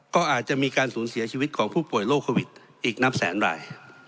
ก็อาจจะมีการสูญเสียชีวิตของผู้ป่วยโรคโควิดอีกนับแสนราย